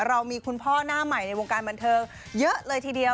เรามีคุณพ่อหน้าใหม่ในวงการบันเทิงเยอะเลยทีเดียว